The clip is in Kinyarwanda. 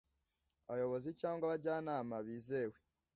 abayobozi cyangwa abajyanama bizewe